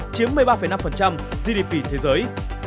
chiếm một mươi ba năm gdp thế giới